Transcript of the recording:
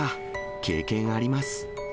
経験あります。